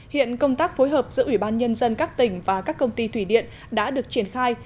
hiện công tác phối hợp giữa ủy ban nhân dân các tỉnh và các công ty thủy điện đã được triển khai